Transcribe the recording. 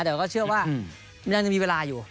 แต่ก็เชื่อว่ายังมีเวลาอยู่